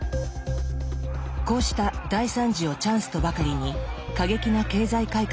こうした大惨事をチャンスとばかりに過激な経済改革を断行する。